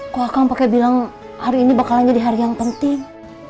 kok akan pakai bilang hari ini bakal jadi hari yang penting